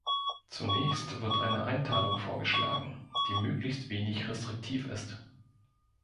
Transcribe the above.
Zunächst wird eine Einteilung vorgeschlagen, die möglichst wenig restriktiv ist.